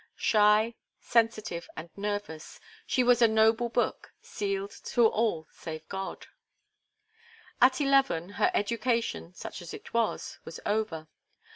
Shy, sensitive, and nervous, she was a noble book, sealed to all save God. At eleven, her education, such as it was, was over.